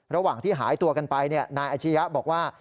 ระหว่างที่หายตัวกันไปนายอาชียะบอกว่า